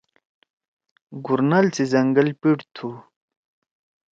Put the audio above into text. گُورنال سی زنگل پیِڑ تُھو۔